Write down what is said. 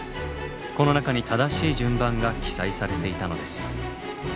この中に正しい順番が記載されていたのです。